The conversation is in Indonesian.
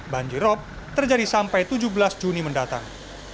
banjir rop terjadi sampai tujuh belas juni mendatang